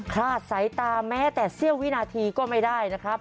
คลาดสายตาแม้แต่เสี้ยววินาทีก็ไม่ได้นะครับ